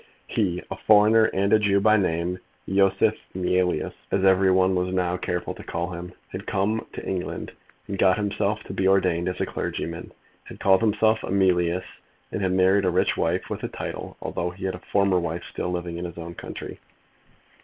He, a foreigner and a Jew, by name Yosef Mealyus, as every one was now very careful to call him, had come to England, had got himself to be ordained as a clergyman, had called himself Emilius, and had married a rich wife with a title, although he had a former wife still living in his own country.